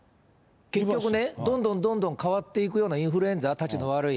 結局ね、どんどんどんどん変わっていくようなインフルエンザ、たちの悪い。